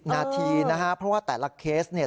นาทีนะฮะเพราะว่าแต่ละเคสเนี่ย